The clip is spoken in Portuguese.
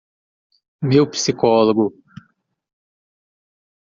Meu psicólogo